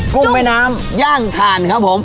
กุ้งแม่น้ำย่างถ่านครับผม